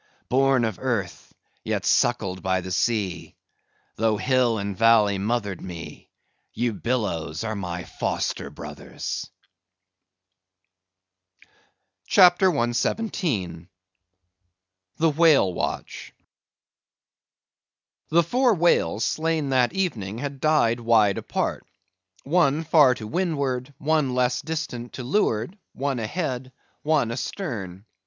Born of earth, yet suckled by the sea; though hill and valley mothered me, ye billows are my foster brothers!" CHAPTER 117. The Whale Watch. The four whales slain that evening had died wide apart; one, far to windward; one, less distant, to leeward; one ahead; one astern.